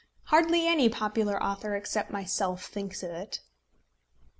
Hardly any popular author except myself thinks of it."